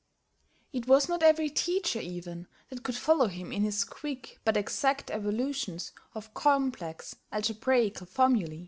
It was not every teacher even that could follow him in his quick but exact evolutions of complex algebraical formulæ.